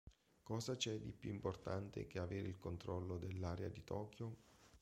Cosa c'è di più importante che avere il controllo dell'area di Tokyo?